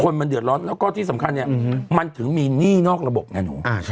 แล้วก็ที่สำคัญเนี่ยมันถึงมีหนี้นอกระบบไงหนู